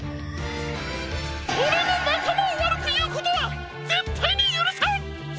オレのなかまをわるくいうことはぜったいにゆるさん！